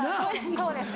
そうですよ。